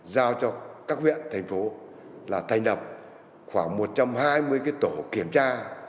giao cho các huyện thành phố là thành đập khoảng một trăm hai mươi cái tổ kiểm tra